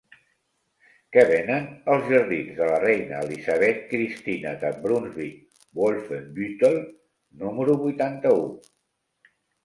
Què venen als jardins de la Reina Elisabeth Cristina de Brunsvic-Wolfenbüttel número vuitanta-u?